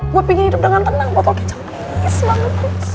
gue pingin hidup dengan tenang potol kecap please